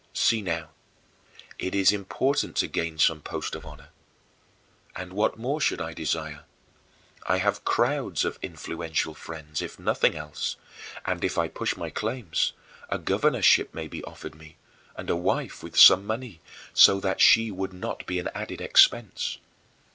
See now, it is important to gain some post of honor. And what more should I desire? I have crowds of influential friends, if nothing else; and, if I push my claims, a governorship may be offered me, and a wife with some money, so that she would not be an added expense.